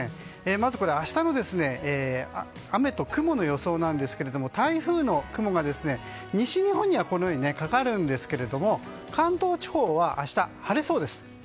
まず明日の雨と雲の予想なんですけども台風の雲が西日本にはかかるんですが関東地方は明日、晴れそうです。